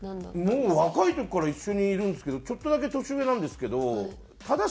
もう若い時から一緒にいるんですけどちょっとだけ年上なんですけど正してくれますよね。